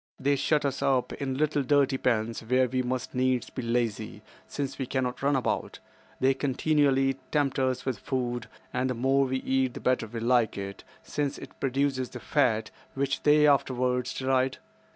They shut us up in little dirty pens where we must needs be lazy, since we cannot run about. They continually tempt us with food, and the more we eat the better they like it, since it produces the fat which they afterwards deride.